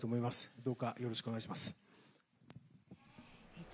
どうかよろしくお願いいたします。